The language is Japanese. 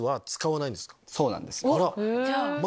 そうなんですよ。